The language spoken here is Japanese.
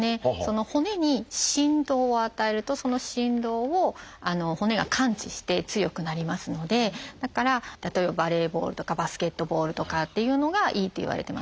骨に振動を与えるとその振動を骨が感知して強くなりますのでだから例えばバレーボールとかバスケットボールとかっていうのがいいっていわれてます。